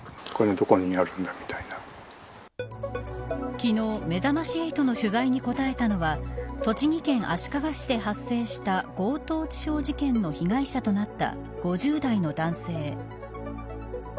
昨日、めざまし８の取材に答えたのは栃木県足利市で発生した強盗致傷事件の被害者となった５０代の男性。